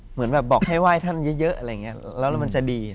เหมือนแบบบอกให้ไหว้ท่านเยอะอะไรอย่างนี้แล้วมันจะดี